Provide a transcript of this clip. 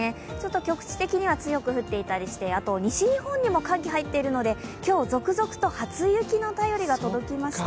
局地的には強く降っていたりして、西日本にも寒気が入っているので今日、続々と初雪の便りが届きました。